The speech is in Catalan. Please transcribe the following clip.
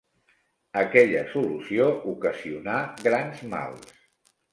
Aquella solució ocasionà grans mals.